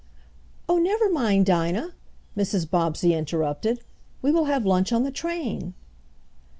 "Oh, never mind, Dinah," Mrs. Bobbsey interrupted. "We will have lunch on the train."